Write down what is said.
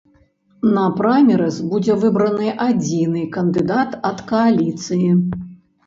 На праймерыз будзе выбраны адзіны кандыдат ад кааліцыі.